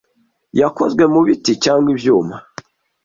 Yakozwe mubiti cyangwa ibyuma?